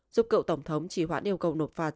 giúp cựu tổng thống chỉ hoãn yêu cầu nộp phạt